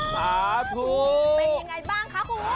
สาธุเป็นยังไงบ้างคะคุณ